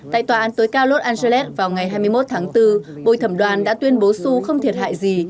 tại tòa án tối cao los angeles vào ngày hai mươi một tháng bốn bội thẩm đoàn đã tuyên bố su không thiệt hại gì